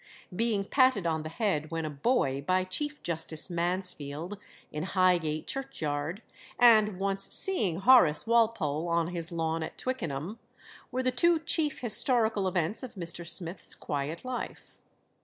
Being patted on the head when a boy by Chief Justice Mansfield, in Highgate churchyard, and once seeing Horace Walpole on his lawn at Twickenham, were the two chief historical events of Mr. Smith's quiet life.